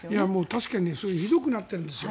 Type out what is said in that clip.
確かにひどくなってるんですよ。